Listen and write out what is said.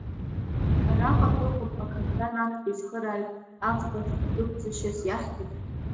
Араҟа дыҟоуп акаԥдан актәи ицхырааҩ, аӷбахь дәықәҵашьас иаҳҭари?